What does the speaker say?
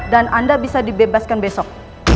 dan anda bisa dibebaskan besok